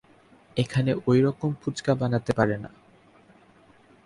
এখানে ওইরকম ফুচকা বানাতে পারে না।